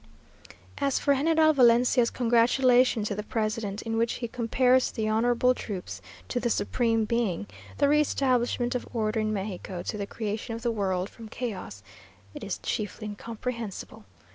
As for General Valencia's congratulation to the president, in which he compares the "honourable troops" to the Supreme Being, the re establishment of order in Mexico to the creation of the world from chaos, it is chiefly incomprehensible.